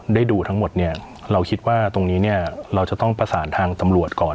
ได้ดูทั้งหมดเนี่ยเราคิดว่าตรงนี้เนี่ยเราจะต้องประสานทางตำรวจก่อน